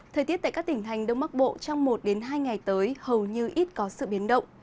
thời tiết tại các tỉnh thành đông bắc bộ trong một hai ngày tới hầu như ít có sự biến động